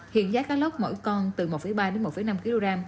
hiện giá cá lóc mỗi con từ một ba đến một năm kg